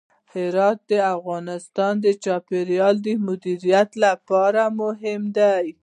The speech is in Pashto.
هرات د افغانستان د چاپیریال د مدیریت لپاره مهم دي.